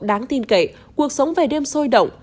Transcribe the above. đáng tin kể cuộc sống về đêm sôi động